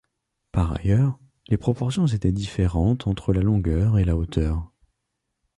Par ailleurs, les proportions étaient différentes entre la longueur et la hauteur.